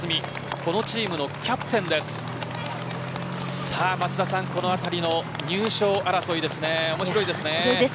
このチームのキャプテンです。